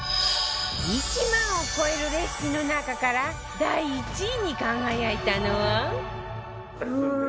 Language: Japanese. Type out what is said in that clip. １万を超えるレシピの中から第１位に輝いたのは